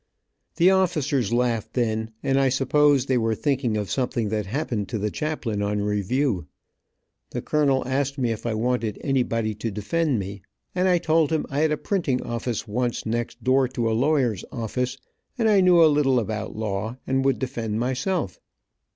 The officers laughed then, and I suppose they were thinking of something that happened to the chaplain on review. The colonel asked me if I wanted anybody to defend me, and I told him I had a printing office once next door to a lawyer's office, and I knew a little about law, and would defend myself.